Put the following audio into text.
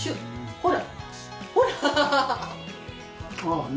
ほら！